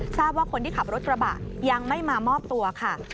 ทราบว่าคนที่ขับรถกระบะยังไม่มามอบตัวค่ะ